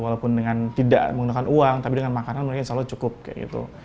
walaupun dengan tidak menggunakan uang tapi dengan makanan mereka insya allah cukup kayak gitu